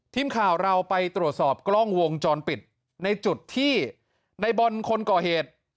ทีมข่าวเราไปตรวจสอบกล้องวงจรปิดในจุดที่ในบอลคนก่อเหตุ